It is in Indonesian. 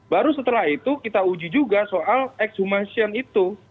baru setelah itu kita uji juga soal exhumation itu